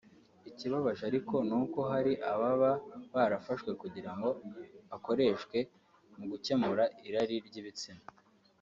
Ikibabaje ariko ni uko hari ababa barafashwe kugira ngo bakoreshwe mu gukemura irari ry’ibitsina